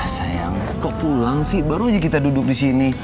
sayang kok pulang sih baru aja kita duduk disini